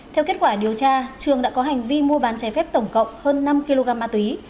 theo kết quả điều tra trường đã có hành vi mua bán trái phép tổng cộng hơn năm kg ma túy